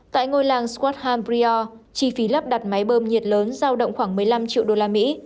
tại ngôi làng squatham brier chi phí lắp đặt máy bơm nhiệt lớn giao động khoảng một mươi năm triệu đô la mỹ